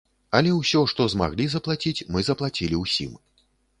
Але ўсё, што змаглі заплаціць, мы заплацілі ўсім.